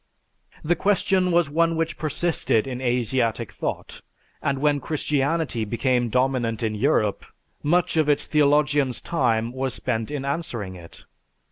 The question was one which persisted in Asiatic thought, and when Christianity became dominant in Europe, much of its theologians' time was spent in answering it.